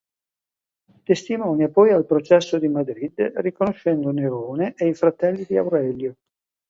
Testimonia poi al processo di Madrid riconoscendo Nerone e i fratelli di Aurelio.